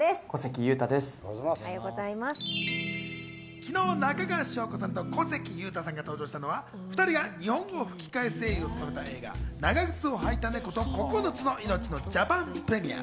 昨日、中川翔子さんと小関裕太さんが登場したのは２人が日本語吹き替え声優を務めた映画『長ぐつをはいたネコと９つの命』のジャパンプレミア。